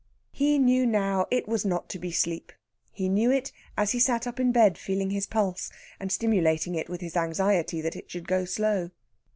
He knew now it was not to be sleep; he knew it as he sat up in bed feeling his pulse, and stimulating it with his anxiety that it should go slow.